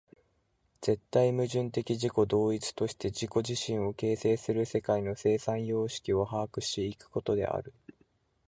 絶対矛盾的自己同一として自己自身を形成する世界の生産様式を把握し行くことである。